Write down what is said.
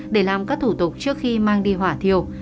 để làm các thủ tục trước khi mang đi hỏa thiêu